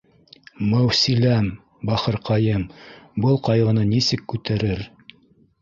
— Мәүсиләм, бахырҡайым был ҡайғыны нисек күтә рер